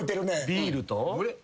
ビールと？